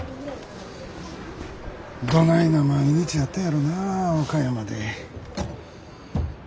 どないな毎日やったんやろなあ岡山で。